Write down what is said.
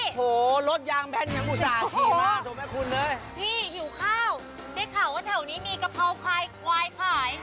โอ้โหรถยางแผ่นเขาสารทีมาสบบแม่คุณเลย